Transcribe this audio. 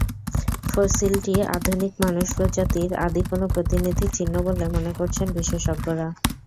ফসিলটি আধুনিক মানুষ প্রজাতির আদি কোনো প্রতিনিধির চিহ্ন বলে মনে করছেন বিশেষজ্ঞরা।